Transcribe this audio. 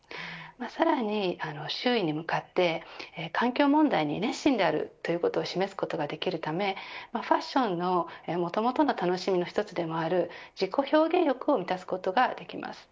さらに周囲に向かって環境問題に熱心であるということを示すことができるためファッションのもともとの楽しみの一つでもある自己表現力を満たすことができます。